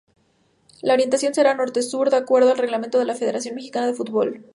La orientación será norte-sur de acuerdo al reglamento de la Federación Mexicana de Fútbol.